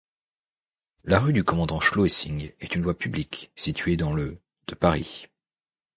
La rue du Commandant-Schlœsing est une voie publique située dans le de Paris.